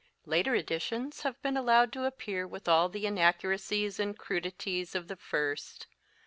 Later editions have been al lowed to appear with all the inaccuracies and crudities of the first.